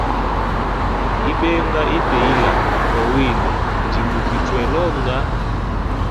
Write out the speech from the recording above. Ibenga ite ila kowine njimukichwela onga.